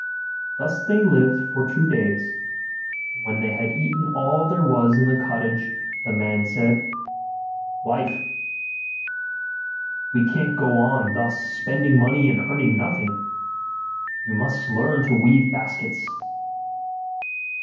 Thus they lived for two days: and when they had eaten up all there was in the cottage, the man said, 'Wife, we can't go on thus, spending money and earning nothing. You must learn to weave baskets.